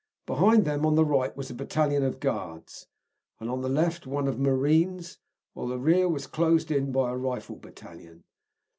Behind them, on the right was a battalion of Guards, and on the left one of Marines, while the rear was closed in by a Rifle battalion.